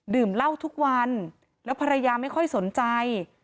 เหล้าทุกวันแล้วภรรยาไม่ค่อยสนใจ